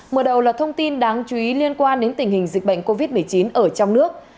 mở đầu là thông tin đáng chú ý liên quan đến tình hình dịch bệnh covid một mươi chín ở trong nước